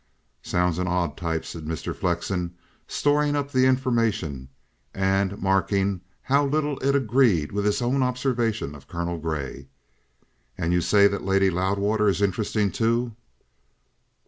"Sounds an odd type," said Mr. Flexen, storing up the information, and marking how little it agreed with his own observation of Colonel Grey. "And you say that Lady Loudwater is interesting too?"